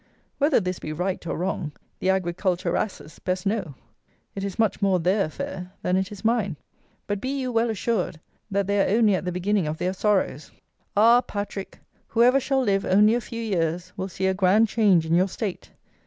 Whether this be right, or wrong, the Agriculturasses best know: it is much more their affair than it is mine; but, be you well assured, that they are only at the beginning of their sorrows. Ah! Patrick, whoever shall live only a few years will see a grand change in your state!